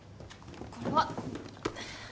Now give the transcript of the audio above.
これは。